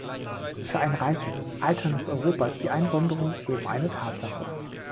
Für ein reiches, alterndes Europa ist die Einwanderung eben eine Tatsache.